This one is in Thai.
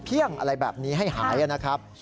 อะไรแบบนี้ให้หายนะครับ